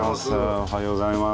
おはようございます。